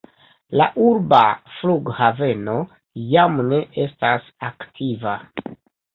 La urba flughaveno jam ne estas aktiva.